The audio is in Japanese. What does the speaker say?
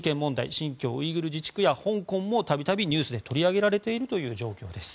新疆ウイグル自治区や香港も度々ニュースで取り上げられているという状況です。